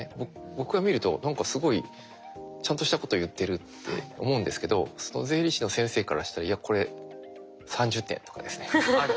僕が見ると何かすごいちゃんとしたこと言ってるって思うんですけど税理士の先生からしたら「いやこれ３０点」とかですね。